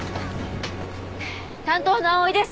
担当の蒼井です。